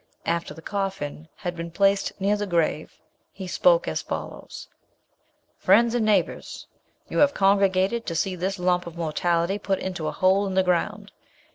After the coffin had been placed near the grave, he spoke as follows, "'Friends and neighbours! you have congregated to see this lump of mortality put into a hole in the ground.